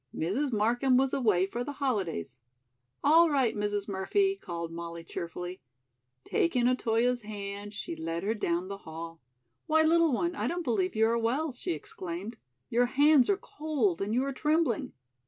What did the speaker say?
Mrs. Markham was away for the holidays. "All right, Mrs. Murphy," called Molly cheerfully. Taking Otoyo's hand, she led her down the hall. "Why, little one, I don't believe you are well," she exclaimed. "Your hands are cold and you are trembling."